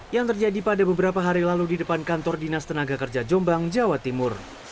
yang terjadi pada beberapa hari lalu di depan kantor dinas tenaga kerja jombang jawa timur